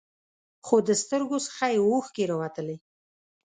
خو د سترګو څخه یې اوښکې راوتلې.